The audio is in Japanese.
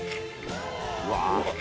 うわ。